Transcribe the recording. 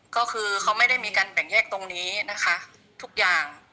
ก็คือเขาไม่ได้แบ่งแยกตรงนี้ทุกอย่าง